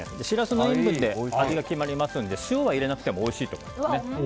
しらすの塩分で味が決まりますので塩は入れなくてもおいしいと思います。